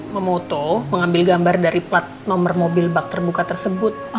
memoto mengambil gambar dari plat nomor mobil bak terbuka tersebut